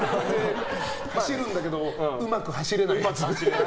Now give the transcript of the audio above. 走るんだけどうまく走れないやつ。